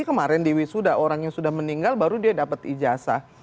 kemarin diwisuda orang yang sudah meninggal baru dia dapat ijasa